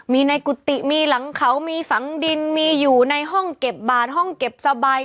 มีในกุฏิมีหลังเขามีฝังดินมีอยู่ในห้องเก็บบาทห้องเก็บสบาย